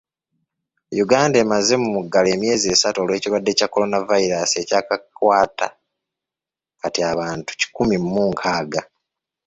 Uganda emaze mu muggalo emyezi esatu olw'ekirwadde kya Kolonavayiraasi ekyakakwata kati abantu kikumi mu nkaaga.